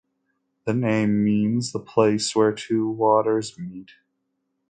The name means "The place where two waters meet".